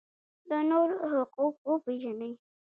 د نورو حقوق وپیژنئ